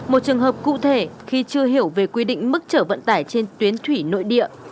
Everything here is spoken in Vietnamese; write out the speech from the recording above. một trường hợp cụ thể khi chưa hiểu về quy định mức trở vận tải trên tuyến thủy nội địa